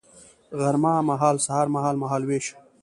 غرمه مهال سهار مهال ، مهال ویش